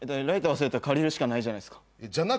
ライター忘れたら借りるしかないじゃないですか。